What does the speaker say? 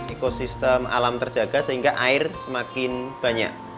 ekosistem alam terjaga sehingga air semakin banyak